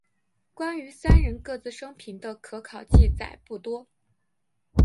关于三人各自生平的可考记载不多。